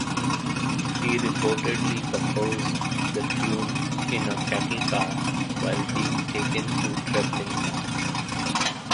He reportedly composed the tune in a cattle car while being taken to Treblinka.